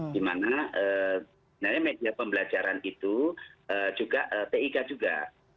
dimana media pembelajaran itu juga tik juga